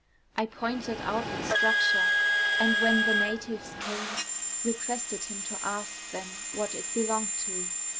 I pointed out its structure; and when the natives came, requested him to ask them what it belonged to.